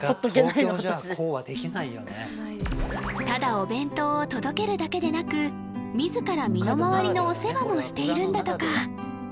ただお弁当を届けるだけでなく自ら身の回りのお世話もしているんだとか